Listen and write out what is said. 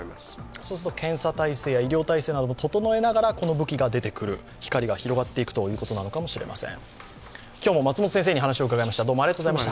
そうすると検査体制や医療体制を整えながらこの武器が出てくる、光が広がっていくということかもしれません。